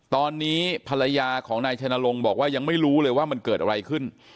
ตอนนี้ภรรยาของนายชัยนรงค์บอกว่ายังไม่รู้เลยว่ามันเกิดอะไรขึ้น